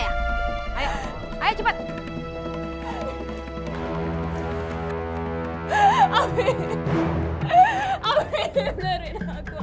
ami amin amin lari dari aku amin